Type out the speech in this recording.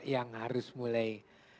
yang harus mulai